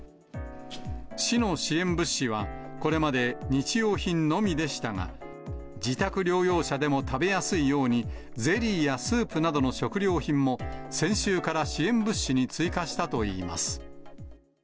市の支援物資は、これまで日用品のみでしたが、自宅療養者でも食べやすいように、ゼリーやスープなどの食料品も、先週から支援物資に追加したといいます。